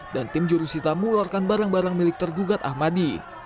dan tim jurusita mengeluarkan barang barang milik tergugat ahmadi